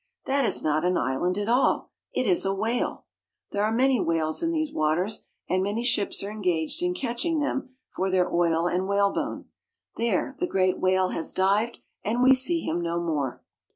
That is not an island at all, it is a whale. There are many whales in these waters, and many ships are engaged in catching them for their oil and whalebone. There, the great whale has dived, and we see him no more